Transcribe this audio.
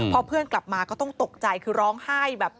พอเพื่อนกลับมาก็ต้องตกใจคือร้องไห้แบบ